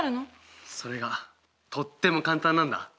それがとっても簡単なんだ。